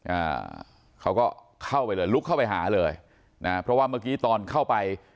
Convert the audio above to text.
อ่าเขาก็เข้าไปเลยลุกเข้าไปหาเลยนะฮะเพราะว่าเมื่อกี้ตอนเข้าไป